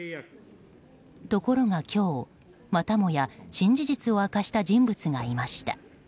ところが今日、またもや新事実を明かした人物がいました。